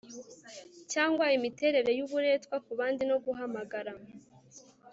Cyangwa imiterere yuburetwa kubandi no guhamagara